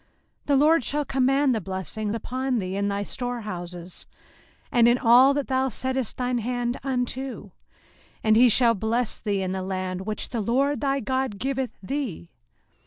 05:028:008 The LORD shall command the blessing upon thee in thy storehouses, and in all that thou settest thine hand unto; and he shall bless thee in the land which the LORD thy God giveth thee.